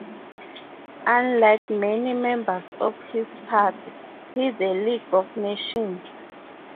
Unlike many members of his party, he the League of Nations.